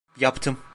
Yaptım.